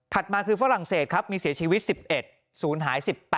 มาคือฝรั่งเศสครับมีเสียชีวิต๑๑ศูนย์หาย๑๘